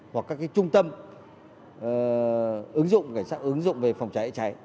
hoặc các trung tâm ứng dụng về phòng cháy cháy